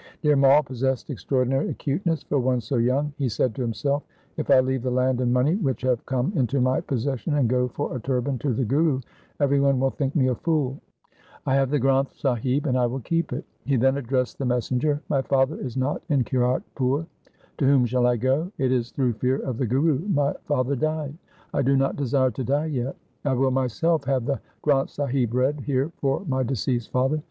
Dhir Mai possessed extraordinary acuteness for one so young. He said to himself, ' If I leave the land and money which have come into my possession and go for a turban to the Guru, every one will think me a fool. I have the Granth Sahib and I will keep it.' He then addressed the messenger, ' My father is not in Kiratpur. To whom shall I go ? It is through fear of the Guru my father died. I do not desire to die yet. I will myself have the Granth Sahib read here for my deceased father.